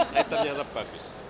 tapi ternyata bagus